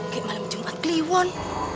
ke malam jumat kliwon